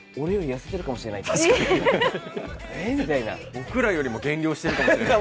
僕らよりも減量してるかもしれない。